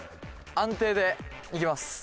安定でいきます。